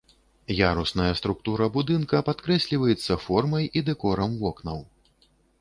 Ярусная структура будынка падкрэсліваецца формай і дэкорам вокнаў.